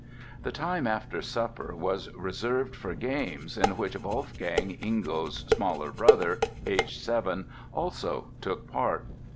The time after supper was reserved for games, in which Wolfgang, Ingo's smaller brother (aged seven), also took part.